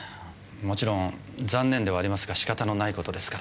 もちろん残念ではありますが仕方のないことですから。